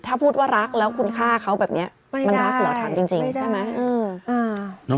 ถ้าพูดว่ารักแล้วคุณฆ่าเขาแบบเนี้ยไม่ได้มันรักเหล่าทั้งจริงจริงใช่ไหมอืม